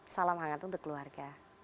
salam hangat untuk keluarga